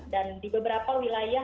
dan di beberapa wilayah